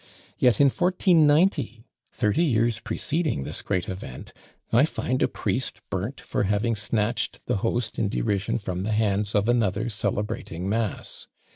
Yet in 1490, thirty years preceding this great event, I find a priest burnt for having snatched the host in derision from the hands of another celebrating mass.